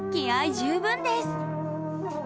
十分です！